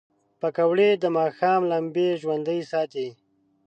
پکورې د ماښام لمبې ژوندۍ ساتي